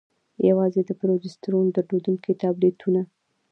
يوازې د پروجسترون درلودونكي ټابليټونه: